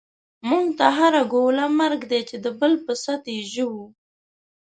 موږ ته هره ګوله مرګ دی، چی دبل په ست یی ژوویو